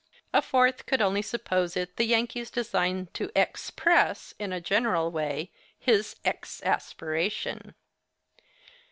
A fourth could only suppose it the Yankee's design to X press, in a general way, his X asperation.